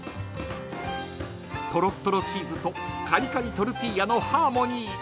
［とろっとろチーズとカリカリトルティーヤのハーモニー］